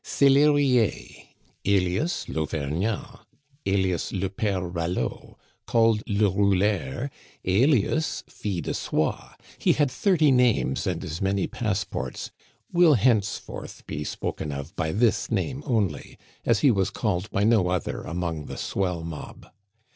Selerier, alias l'Auvergnat, alias le Pere Ralleau, called le Rouleur, alias Fil de Soie he had thirty names, and as many passports will henceforth be spoken of by this name only, as he was called by no other among the swell mob.